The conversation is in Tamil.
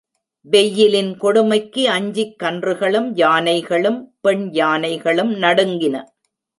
வெய்யிலின் கொடுமைக்கு அஞ்சிக் கன்றுகளும், யானைகளும், பெண் யானைகளும் நடுங்கின.